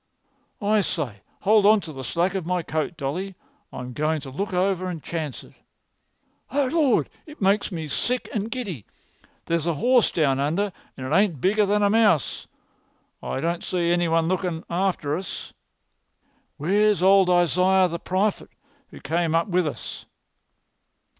"I say, hold on to the slack of my coat, Dolly. I'm going to look over and chance it. Oh, Lord, it makes me sick and giddy! There's a horse down under, and it ain't bigger than a mouse. I don't see any one lookin' after us. Where's old Isaiah the prophet who came up with us?"